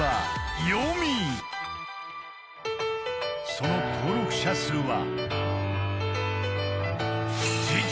［その登録者数は実に］